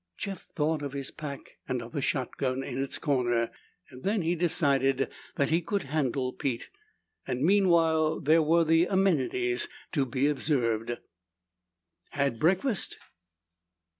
Jeff thought of his pack and of the shotgun in its corner. Then he decided that he could handle Pete, and meanwhile there were the amenities to be observed. "Had breakfast?"